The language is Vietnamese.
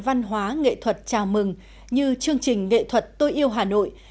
văn hóa nghệ thuật chào mừng như chương trình nghệ thuật tôi yêu hà nội